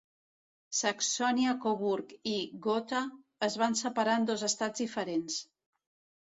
Saxònia-Coburg i Gotha, es va separar en dos estats diferents.